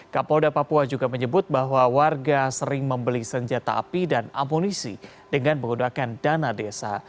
kapolda papua juga menyebut bahwa warga sering membeli senjata api dan amunisi dengan menggunakan dana desa